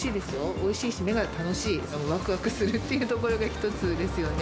おいしいし、目が楽しい、わくわくするっていうところが一つですよね。